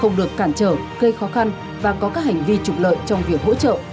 không được cản trở gây khó khăn và có các hành vi trục lợi trong việc hỗ trợ